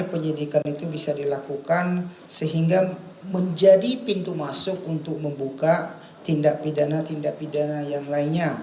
penyidikan itu bisa dilakukan sehingga menjadi pintu masuk untuk membuka tindak pidana tindak pidana yang lainnya